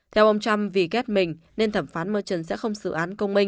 theo ông trump vì ghét mình nên thẩm phán merchon sẽ không xử án công minh